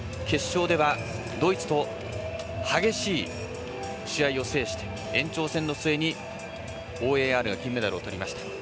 決勝ではドイツと激しい試合を制して延長戦の末にＯＡＲが金メダルをとりました。